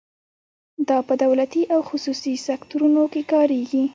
دا په دولتي او خصوصي سکتورونو کې کاریږي.